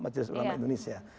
majelis ulama indonesia